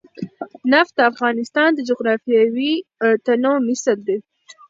نفت د افغانستان د جغرافیوي تنوع مثال دی.